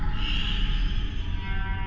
aku mau lihat